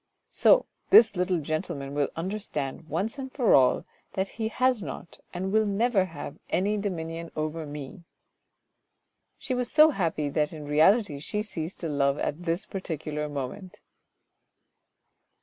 "So this little gentleman will understand, once and for all, that he has not, and will never have, any dominion over me." She was so happy that in reality she ceased to love at this particular moment.